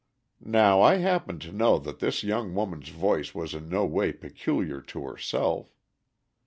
Now I happen to know that this young woman's voice was in no way peculiar to herself.